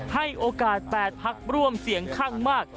ให้โอกาส๘พักร่วมเสียงข้างมาก